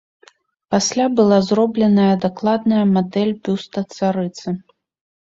Пасля была зробленая дакладная мадэль бюста царыцы.